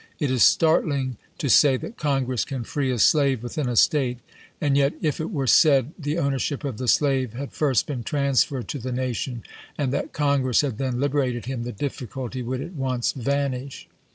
It is startling to say that Congress can free a slave within a State, and yet if it were said the ownership of the slave had first been transferred to the nation, and that Congress had then liberated him, the difficulty would at once van ish.